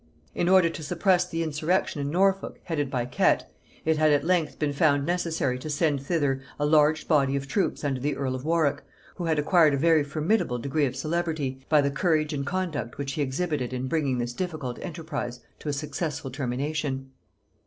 In order to suppress the insurrection in Norfolk, headed by Kett, it had at length been found necessary to send thither a large body of troops under the earl of Warwick, who had acquired a very formidable degree of celebrity by the courage and conduct which he exhibited in bringing this difficult enterprise to a successful termination.